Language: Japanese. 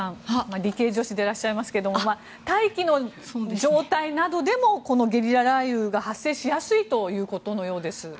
理系女子でいらっしゃいますけれども大気の状態などでもこのゲリラ雷雨が発生しやすいということのようです。